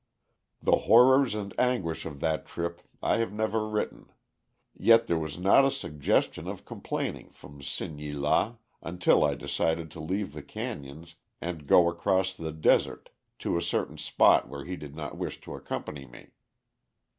The horrors and anguish of that trip I have never written, yet there was not a suggestion of complaining from Sin ye la, until I decided to leave the canyons and go across the desert to a certain spot where he did not wish to accompany me.